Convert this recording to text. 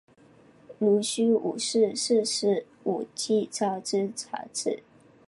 濡须吴氏四世吴景昭之长子。